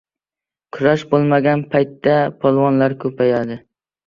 • Kurash bo‘lmagan paytda polvonlar ko‘payadi.